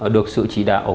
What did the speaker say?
được sự chỉ đạo